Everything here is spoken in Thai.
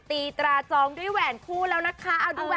ตราจองด้วยแหวนคู่แล้วนะคะ